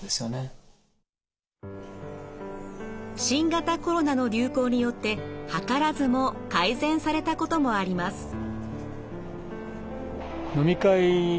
新型コロナの流行によって図らずも改善されたこともあります。